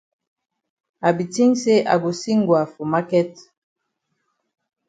I be tink say I go see Ngwa for maket.